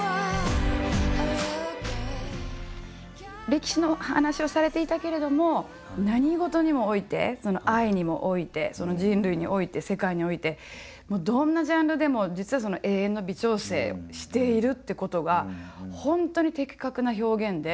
歴史の話をされていたけれども何事にもおいて愛にもおいて人類において世界においてどんなジャンルでも実はその永遠の微調整をしているってことが本当に的確な表現で。